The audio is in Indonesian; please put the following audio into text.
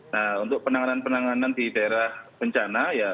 nah untuk penanganan penanganan di daerah bencana ya